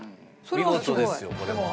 見事ですよこれは。